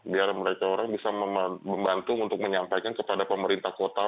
biar mereka orang bisa membantu untuk menyampaikan kepada pemerintah kota